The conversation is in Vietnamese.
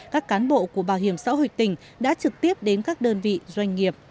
các cán bộ của bảo hiểm xã hội tỉnh đã trực tiếp đến các đơn vị doanh nghiệp